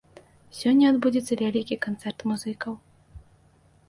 Сёння адбудзецца вялікі канцэрт музыкаў.